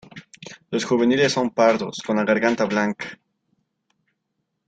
Los juveniles son pardos, con la garganta blanca.